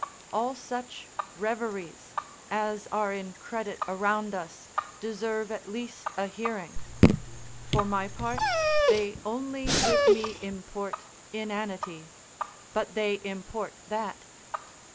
All such reveries as are in credit around us, deserve at least a hearing: for my part, they only with me import inanity, but they import that.